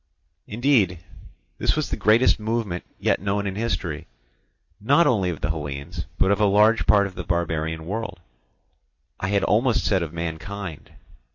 Indeed this was the greatest movement yet known in history, not only of the Hellenes, but of a large part of the barbarian world—I had almost said of mankind.